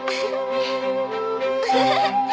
フフフフ。